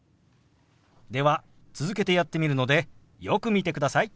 では続けてやってみるのでよく見てください。